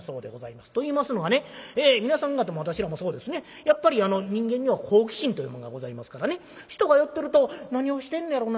と言いますのはねええ皆さん方も私らもそうですねやっぱりあの人間には好奇心というもんがございますからね人が寄ってると何をしてんねやろな？